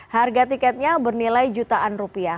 harga tiketnya bernilai jutaan rupiah